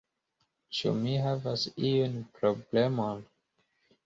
Ĉu mi havas iun problemon?